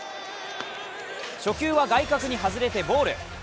初球は外角に外れてボール。